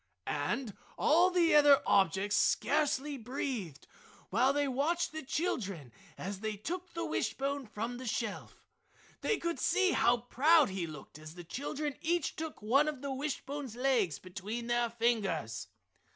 And all the other objects scarcely breathed while they watched the children as they took the wishbone from the shelf. They could see how proud he looked as the children each took one of the wishbone's legs between their fingers.